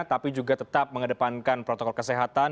tapi juga tetap mengedepankan protokol kesehatan